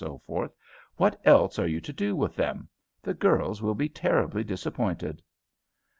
what else are you to do with them? The girls will be terribly disappointed."